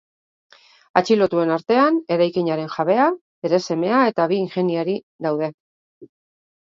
Atxilotuen artean, eraikinaren jabea, bere semea eta bi ingeniari daude.